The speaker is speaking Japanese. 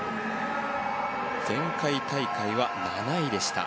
前回大会は７位でした。